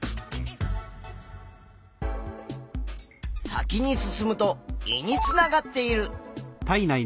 先に進むと胃につながっている。